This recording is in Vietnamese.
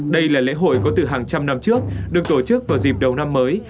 đây là lễ hội có từ hàng trăm năm trước được tổ chức vào dịp đầu năm mới